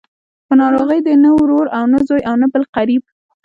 په ناروغۍ دې نه ورور او نه زوی او نه بل قريب.